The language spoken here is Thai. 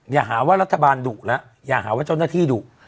อย่าหาว่ารัฐบาลดุแล้วอย่าหาว่าเจ้าหน้าที่ดุ